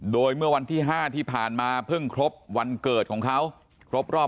โดยเมื่อวันที่๕ที่ผ่านมาเพิ่งครบวันเกิดของเขาครบรอบ